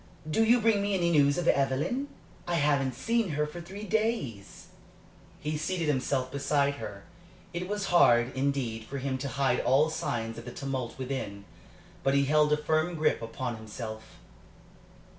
Do you bring me any news of Evelyn? I haven't seen her for three days." He seated himself beside her. It was hard, indeed, for him to hide all signs of the tumult within. But he held a firm grip upon himself.